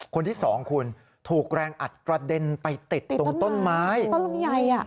คนที่สองคุณถูกแรงอัดกระเด็นไปติดตรงต้นไม้ต้นลำไยอ่ะ